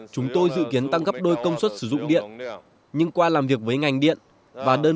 chúng tôi dự kiến tăng gấp đôi công suất sử dụng điện nhưng qua làm việc với ngành điện và đơn